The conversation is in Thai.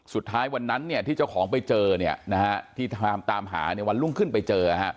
สุดท้ายวันนั้นที่เจ้าของไปเจอที่ตามหาวันรุ่งขึ้นไปเจอ